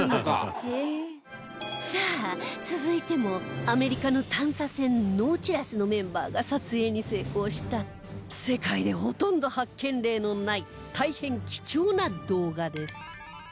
さあ続いてもアメリカの探査船ノーチラスのメンバーが撮影に成功した世界でほとんど発見例のない大変貴重な動画です